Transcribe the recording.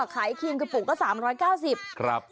ขายครีมกระปุกตั้ง๓๙๐